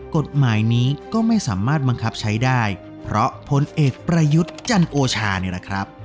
กฎหมายนี้ก็ไม่สามารถบังคับใช้ได้เพราะผลเอกประยุทธ์จันโอชานี่แหละครับ